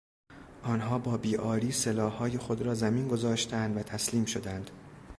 آنها با بیعاری سلاحهای خود را زمین گذاشتند و تسلیم شدند.